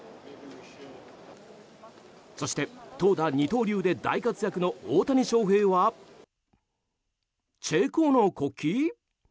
そして投打二刀流で大活躍の大谷翔平はチェコの国旗？